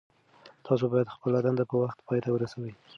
تاسو باید خپله دنده په وخت پای ته ورسوئ.